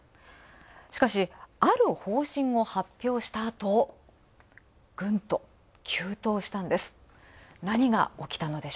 しかし、ある方針を発表したあと、ぐんと急騰したんです。